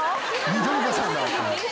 緑子さんだ。